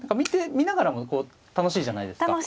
見ながらも楽しいじゃないですか。